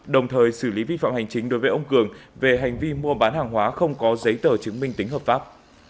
đồng thời xử lý vi phạm hành chính đối với ông cường về hành vi mua bán hàng hóa không có giấy tờ chứng minh tính hợp pháp